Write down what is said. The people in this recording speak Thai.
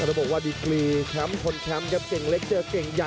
ติดโน้ทบอกว่าดีเกลียดแชมป์ขนแชมป์กับเก่งเล็กเจอกวันเถอะ